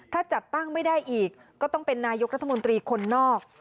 ถ้าจัดตั้งไม่ได้อีกก็ต้องเป็นนายกรัฐมนตรีคนนอก